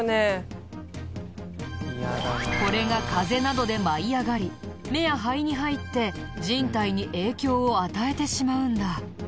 これが風などで舞い上がり目や肺に入って人体に影響を与えてしまうんだ。